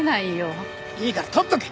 いいから取っとけ。